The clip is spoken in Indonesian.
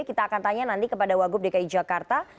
kita akan tanya nanti kepada wagub dki jakarta